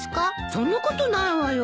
そんなことないわよ。